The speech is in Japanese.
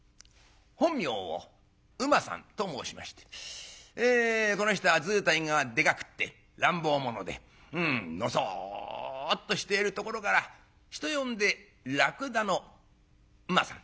本名を「馬」さんと申しましてこの人は図体がでかくって乱暴者でのそっとしているところから人呼んで「らくだの馬さん」。